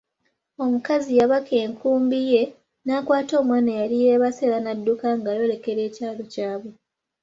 Omukazi yabaka enkumbi ye, n'akwata omwana eyali yeebase era n'adduka ng'ayolekera ekyalo kyabwe.